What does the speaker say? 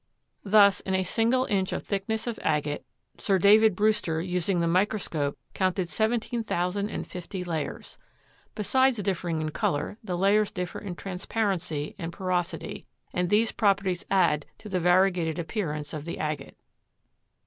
Thus in a single inch of thickness of agate Sir David Brewster, using the microscope, counted seventeen thousand and fifty layers. Besides differing in color, the layers differ in transparency and porosity, and these properties add to the variegated appearance of the agate.